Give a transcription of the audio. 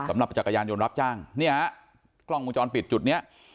สำหรับจักรยานยนต์รับจ้างเนี้ยฮะกล้องมุมจรปิดจุดเนี้ย